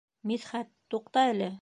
Мидхәт, туҡта әле.